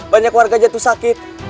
banyak warga jatuh sakit